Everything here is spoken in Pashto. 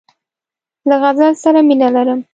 له غزل سره مینه لرم.